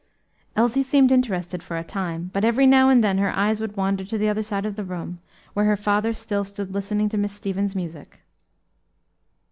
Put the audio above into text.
Elsie seemed interested for a time, but every now and then her eyes would wander to the other side of the room, where her father still stood listening to Miss Stevens' music.